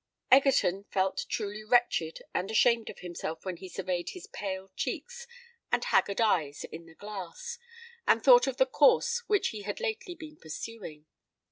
Egerton felt truly wretched and ashamed of himself when he surveyed his pale cheeks and haggard eyes in the glass, and thought of the course which he had lately been pursuing.